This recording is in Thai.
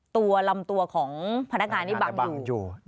ตัวลำตัวของพนักงานนี่บังอยู่